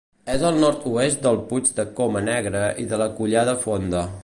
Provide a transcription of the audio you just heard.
És al nord-oest del Puig de Coma Negra i de la Collada Fonda.